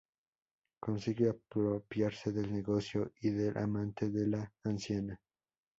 Consigue apropiarse del negocio y del amante de la anciana.